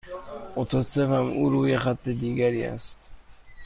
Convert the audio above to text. متاسفم، او روی خط دیگری است.